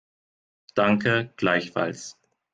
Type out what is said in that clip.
Danke, gleichfalls.